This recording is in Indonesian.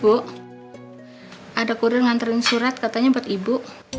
bu ada kurir nganterin surat katanya buat ibu